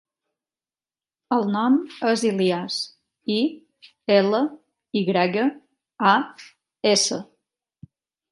El nom és Ilyas: i, ela, i grega, a, essa.